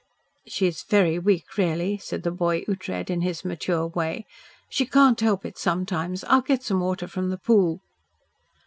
"She's very weak, really," said the boy Ughtred, in his mature way. "She can't help it sometimes. I'll get some water from the pool."